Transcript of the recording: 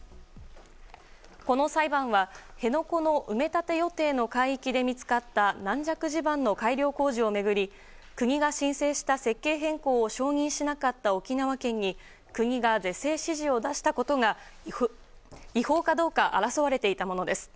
この裁判は、辺野古の埋め立て予定の海域で見つかった軟弱地盤の改良工事を巡り国が申請した設計変更を承認しなかった沖縄県に国が是正指示を出したことが違法かどうか争われていたものです。